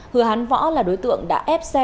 hứa hán võ là đối tượng đã ép xe